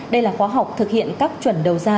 đây là khóa học thực hiện các chuẩn đầu ra